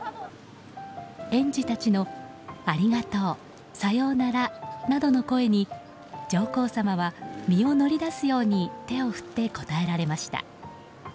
園児たちの、ありがとうさようならなどの声に上皇さまは身を乗り出すように手を振って応えられました。